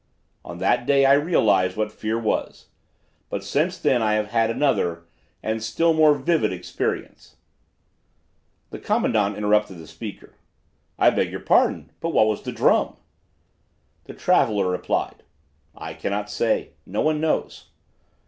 "On that day I realized what fear was, but since then I have had another, and still more vivid experience " The commandant interrupted the speaker: "I beg your pardon, but what was the drum?" The traveler replied: "I cannot say. No one knows.